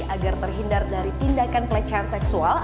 agar terhindar dari tindakan yang terjadi